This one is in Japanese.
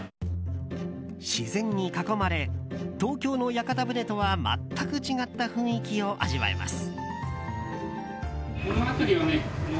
自然に囲まれ東京の屋形船とは全く違った雰囲気を味わえます。